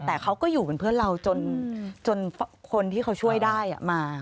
แต่เขาก็อยู่เป็นเพื่อนเราจนคนที่เขาช่วยได้มา